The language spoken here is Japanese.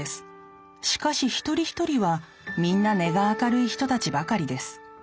しかし一人一人はみんな根が明るい人たちばかりです。